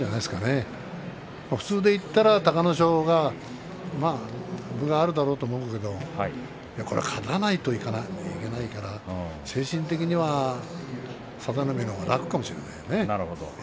普通でいったら隆の勝が分があるんだろうと思うんだけれどもこれは勝たないといけないから精神的には佐田の海のほうが楽かもしれないね。